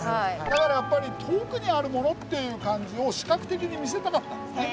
だからやっぱり遠くにあるものっていう感じを視覚的に見せたかったんですね。